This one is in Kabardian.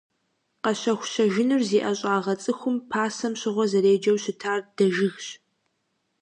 Къэщэху-щэжыныр зи ӀэщӀагъэ цӀыхум пасэм щыгъуэ зэреджэу щытар дэжыгщ.